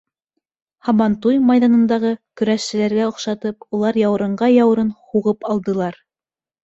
Һабантуй майҙанындағы көрәшселәргә оҡшатып, улар яурынға яурын һуғып алдылар.